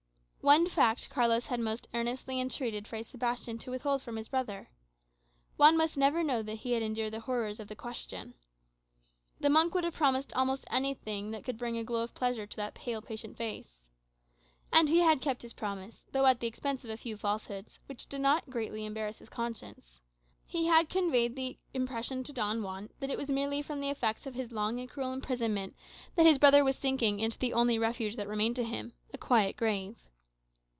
One fact Carlos had most earnestly entreated Fray Sebastian to withhold from his brother. Juan must never know that he had endured the horrors of the Question. The monk would have promised almost anything that could bring a glow of pleasure to that pale, patient face. And he had kept his promise, though at the expense of a few falsehoods, that did not greatly embarrass his conscience. He had conveyed the impression to Don Juan that it was merely from the effects of his long and cruel imprisonment that his brother was sinking into the only refuge that remained to him a quiet grave.